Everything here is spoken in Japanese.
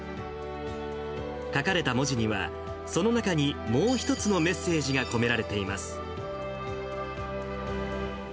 書かれた文字には、その中にもう一つのメッセージが込められています。